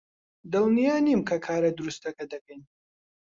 دڵنیا نیم کە کارە دروستەکە دەکەین.